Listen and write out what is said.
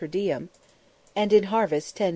_ per diem, and in harvest 10_s.